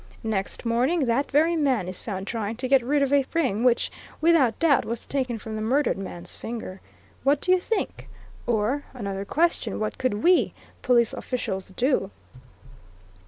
Next morning that very man is found trying to get rid of a ring which, without doubt, was taken from the murdered man's finger. What do you think? Or another question what could we, police officials, do?"